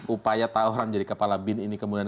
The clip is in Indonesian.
upaya tawaran menjadi kepala bin ini kemudian